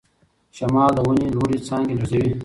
شمال د ونې لوړې څانګې لړزوي.